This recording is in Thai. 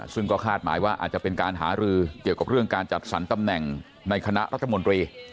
ซึ่งก็คาดหมายว่าอาจจะเป็นการหารือเกี่ยวกับเรื่องการจัดสรรตำแหน่งในคณะรัฐมนตรี